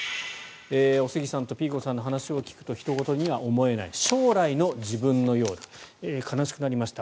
おすぎさんとピーコさんの話を聞くと、ひと事には思えない将来の自分のようだ悲しくなりました